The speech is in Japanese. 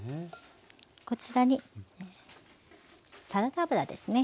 こちらにサラダ油ですね。